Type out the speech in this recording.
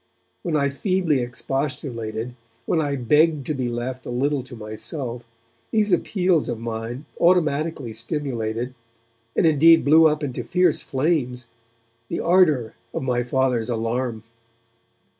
When I feebly expostulated, when I begged to be left a little to myself, these appeals of mine automatically stimulated, and indeed blew up into fierce flames, the ardour of my Father's alarm.